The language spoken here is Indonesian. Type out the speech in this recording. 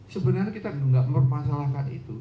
sebenarnya kita tidak mempermasalahkan itu